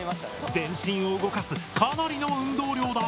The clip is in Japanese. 全身を動かすかなりの運動量だ。